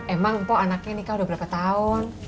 emang kok anaknya nikah udah berapa tahun